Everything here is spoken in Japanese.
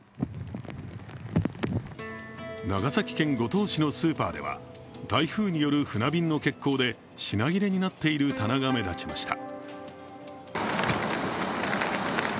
長崎県五島市のスーパーでは台風による船便の欠航で品切れになっている棚が目立ちました。